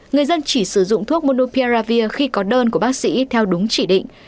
người dân chỉ sử dụng thuốc modulavir khi có đơn của bác sĩ theo đúng chỉ định